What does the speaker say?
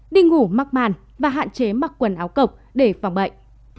đi ngủ mắc màn và hạn chế mặc quần áo cọc để phòng bệnh